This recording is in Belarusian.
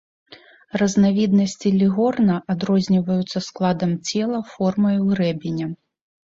Разнавіднасці легорна адрозніваюцца складам цела, формаю грэбеня.